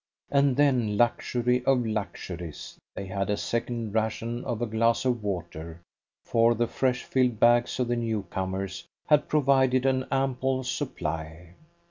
and then, luxury of luxuries, they had a second ration of a glass of water, for the fresh filled bags of the newcomers had provided an ample supply.